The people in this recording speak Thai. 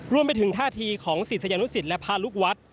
รวมไปถึงท่าทีของศิษยานุสิตและพาลูกวัด